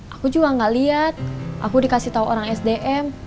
aku juga gak liat aku dikasih tau orang sdm